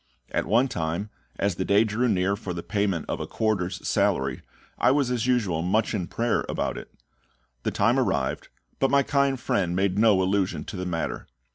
At one time, as the day drew near for the payment of a quarter's salary, I was as usual much in prayer about it. The time arrived, but my kind friend made no allusion to the matter.